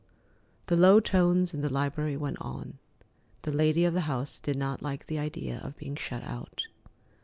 The low tones in the library went on. The lady of the house did not like the idea of being shut out.